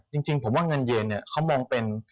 จริงผมว่าเงินเยนเนี่ยเขามองเป็น